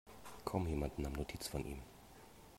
Kaum jemand nahm Notiz von ihm.